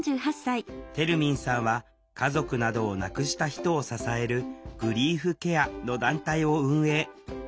てるみんさんは家族などを亡くした人を支える「グリーフケア」の団体を運営。